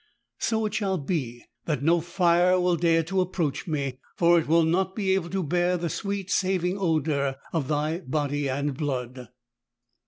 So it shall be that no fire will dare to approach me : for it will not be able to bear the sweet saving odour of Thy Body and Blood."